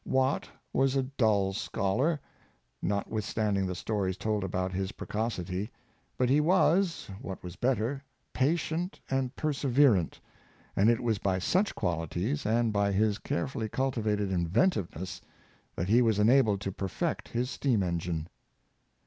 Watt was a dull scholar, not withstanding the stories told about his precocity; but he was, what was better, patient and perseverant, and it was by such qualities, and by his carefully cultivated inventiveness, that he was enabled to perfect his steam engine.